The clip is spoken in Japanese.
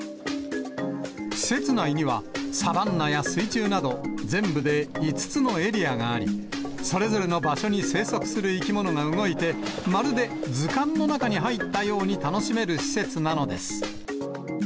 施設内には、サバンナや水中など、全部で５つのエリアがあり、それぞれの場所に生息する生き物が動いて、まるで図鑑の中に入ったように楽しめる施設なのです。